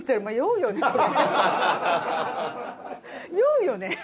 酔うよね？